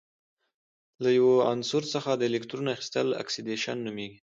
له یو عنصر څخه د الکترون اخیستل اکسیدیشن نومیږي.